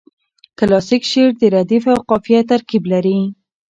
کلاسیک شعر د ردیف او قافیه ترکیب لري.